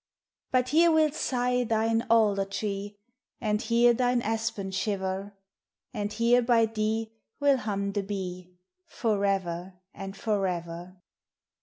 But here will sigh thine alder uee, And here thine aspen shiver; And here by thee will hum the 1mm , For ever and for ever.